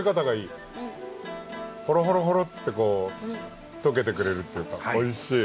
ホロホロホロってこう溶けてくれるっていうかおいしい。